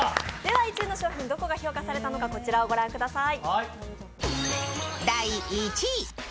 １位の商品どこが評価されたのかご覧ください。